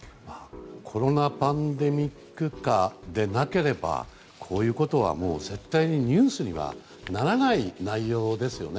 コロナパンデミック下でなければこういうことは絶対にニュースにはならない内容ですよね。